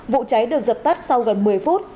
vụ cháy được dập tắt sau gần một mươi phút